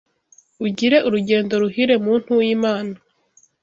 Ugire urugendo ruhire muntu w’ Imana